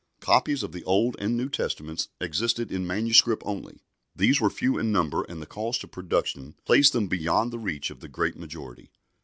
Copies of the Old and New Testaments existed in manuscript only. These were few in number, and the cost of production placed them beyond the reach of the great majority.